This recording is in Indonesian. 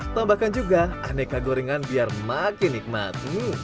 tambahkan juga aneka gorengan biar makin nikmat